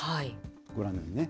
ご覧のようにね。